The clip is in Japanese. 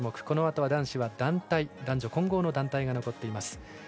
このあとは男女混合の団体が残っています。